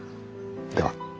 では。